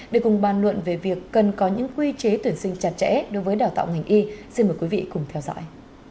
để cùng bàn luận về việc cần có những quy chế tuyển sinh chặt chẽ đối với đào tạo ngành y xin mời quý vị cùng theo dõi